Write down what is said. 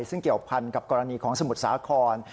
ซึ่งเกี่ยวพันกับกรณีของสมุทรสาคร